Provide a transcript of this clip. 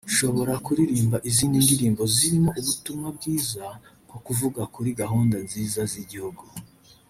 nshobora kuririmba izindi ndirimbo zirimo ubutumwa bwiza nko kuvuga kuri gahunda nziza z’igihugu